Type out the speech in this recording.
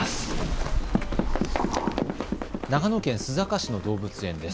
長野県須坂市の動物園です。